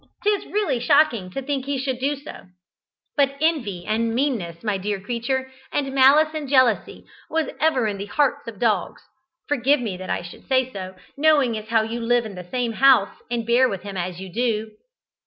'Tis really shocking to think he should do so but envy and meanness, my dear creature, and malice and jealousy was ever in the hearts of dogs forgive me that I should say so, knowing as how you live in the same house and bear with him as you do."